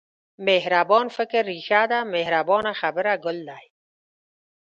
مهربان فکر رېښه ده مهربانه خبره ګل دی.